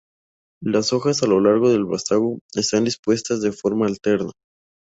Las hojas a lo largo del vástago están dispuestas de forma alterna.